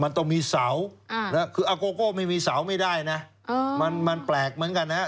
มันต้องมีเสาคืออาโกโก้ไม่มีเสาไม่ได้นะมันแปลกเหมือนกันนะฮะ